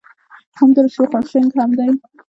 همدمره شوخ او شنګ هم دی.